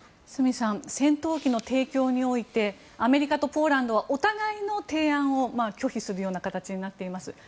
角さん戦闘機の提供においてアメリカとポーランドはお互いの提案を拒否するような形になっています。